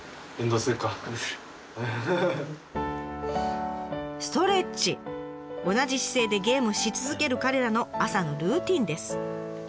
同じ姿勢でゲームし続ける彼らの朝のルーティンです。